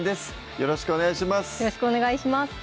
よろしくお願いします